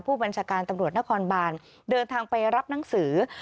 ผู้บัญชาการตำรวจนครบานเดินทางไปรับหนังสือ